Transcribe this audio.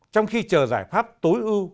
trong khi chờ giải pháp tối ưu